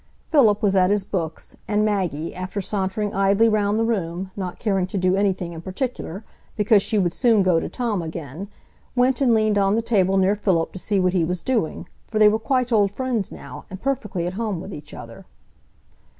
Philip was at his books, and Maggie, after sauntering idly round the room, not caring to do anything in particular, because she would soon go to Tom again, went and leaned on the table near Philip to see what he was doing, for they were quite old friends now, and perfectly at home with each other.